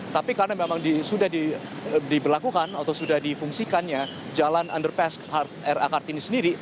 tapi karena memang sudah diberlakukan atau sudah difungsikannya jalan underpass ra kartini sendiri